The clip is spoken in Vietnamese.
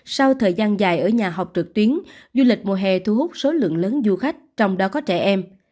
sau thời gian dài ở nhà học trực tuyến du lịch mùa hè thu hút số lượng lớn du khách trong đó có trẻ em